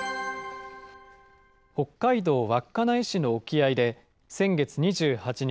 北海道稚内市の沖合で、先月２８日、